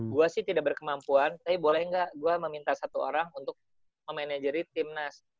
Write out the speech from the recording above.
gue sih tidak berkemampuan tapi boleh nggak gue meminta satu orang untuk memanajeri timnas